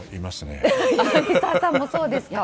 柳澤さんもそうですか。